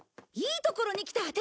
いいところに来た。